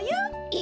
え！？